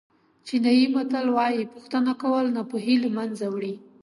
چینایي متل وایي پوښتنه کول ناپوهي له منځه وړي.